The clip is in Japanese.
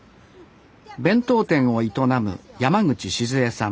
弁当店を営む山口静江さん